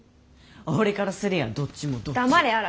俺からすりゃどっちもどっち黙れ嵐。